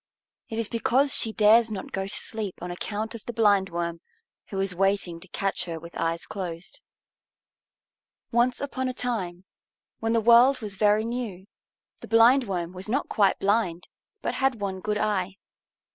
It is because she dares not go to sleep on account of the Blindworm, who is waiting to catch her with her eyes closed. Once upon a time, when the world was very new, the Blindworm was not quite blind, but had one good eye.